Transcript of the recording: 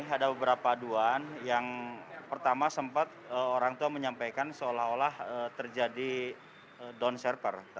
ada beberapa aduan yang pertama sempat orang tua menyampaikan seolah olah terjadi down server